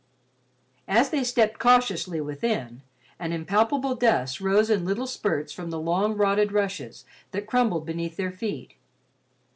As they stepped cautiously within, an impalpable dust arose in little spurts from the long rotted rushes that crumbled beneath their feet.